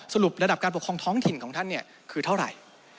ระดับการปกครองท้องถิ่นของท่านคือเท่าไหร่